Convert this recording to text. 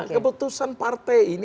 keputusan partai ini